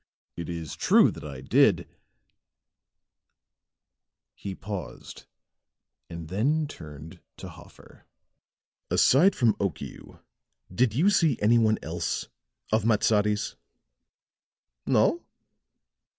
It is true that I did " he paused and then turned to Hoffer. "Aside from Okiu, did you see any one else of Matsadi's?" "No."